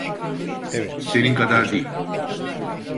Senin kadar değil.